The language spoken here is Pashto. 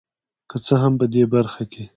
که څه هم په دې برخه کې